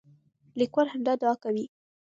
لیکوال همدا دعا کوي.